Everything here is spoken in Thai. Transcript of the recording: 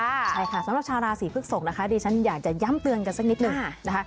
ใช่ค่ะสำหรับชาวราศีพฤกษกนะคะดิฉันอยากจะย้ำเตือนกันสักนิดหนึ่งนะคะ